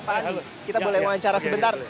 pak andi kita boleh wawancara sebentar